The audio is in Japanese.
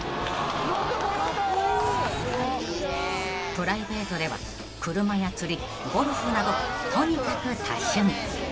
［プライベートでは車や釣りゴルフなどとにかく多趣味］